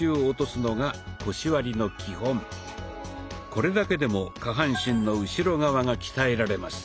これだけでも下半身の後ろ側が鍛えられます。